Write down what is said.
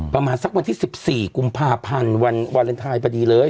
ประมาณสักวันที่๑๔กุมภาพันธ์วันวาเลนไทยพอดีเลย